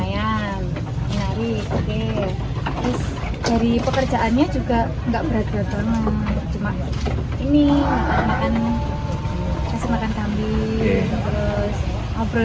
terus dari pekerjaannya juga gak berat berat banget